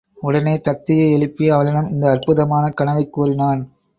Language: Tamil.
உடனே தத்தையை எழுப்பி அவளிடம் இந்த அற்புதமான கனவைக் கூறினான்.